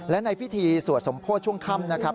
และในพิธีสวดสมโพธิช่วงค่ำนะครับ